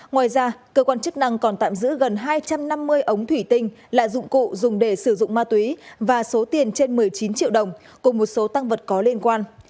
ngoài ra cơ quan chức năng còn tạm giữ gần hai trăm năm mươi ống thủy tinh là dụng cụ dùng để sử dụng ma túy và số tiền trên một mươi chín triệu đồng cùng một số tăng vật có liên quan